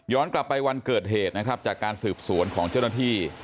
กลับไปวันเกิดเหตุนะครับจากการสืบสวนของเจ้าหน้าที่